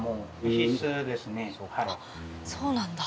あっそうなんだ。